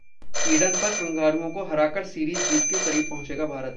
Eden पर कंगारुओं को हराकर सीरीज जीत के करीब पहुंचेगा भारत